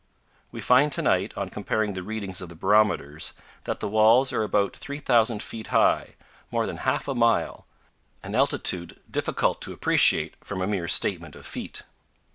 We find to night, on comparing the readings of the barometers, that the walls are about 3,000 feet high more than half a mile an altitude difficult to appreciate from a mere statement of feet.